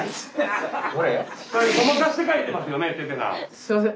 すいません